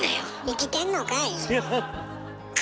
生きてんのかい。